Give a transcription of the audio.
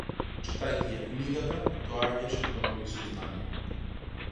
Читајќи ја книгата доаѓаше до нови сознанија.